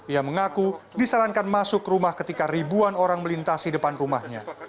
ia mengaku disarankan masuk rumah ketika ribuan orang melintasi depan rumahnya